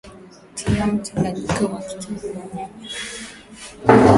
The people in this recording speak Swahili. tia mchanganyiko wa kitunguu na nyanya